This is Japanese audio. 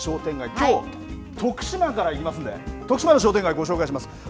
きょう、徳島から行きますんで徳島の商店街、ご紹介します。